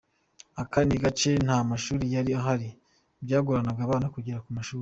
Aka ni agace nta mashuri yari ahari byagoraga abana kugera ku mashuri.